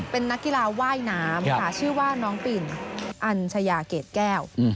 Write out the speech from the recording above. เป็นนักกีฬาว่ายน้ำค่ะชื่อว่าน้องปิ่นอัญชยาเกรดแก้ว